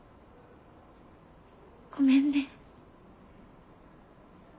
ごめんね。